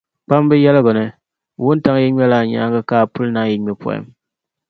Kpamba yɛligu ni, wuntaŋa yi ŋmɛla a nyaaŋa, ka a puli naanyi ŋme pɔhim.